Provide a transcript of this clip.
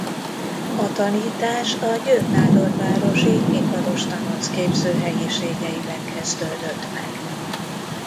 A tanítás a Győr-nádorvárosi Iparostanonc-képző helyiségeiben kezdődött meg.